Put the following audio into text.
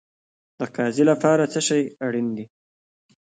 د قاضي لپاره څه شی اړین دی؟